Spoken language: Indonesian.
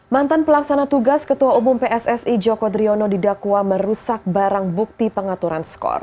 mantan pelaksana tugas ketua umum pssi joko driono didakwa merusak barang bukti pengaturan skor